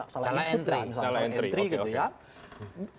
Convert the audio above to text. salah entry oke oke